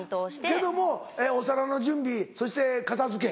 けどもお皿の準備そして片付け。